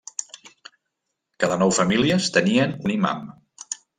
Cada nou famílies tenien un imam.